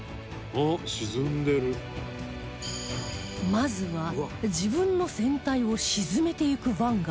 まずは自分の船体を沈めていくヴァンガード